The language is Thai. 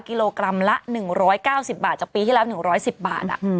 กิโลกรัมละ๑๙๐บาทจากปีที่แล้ว๑๑๐บาท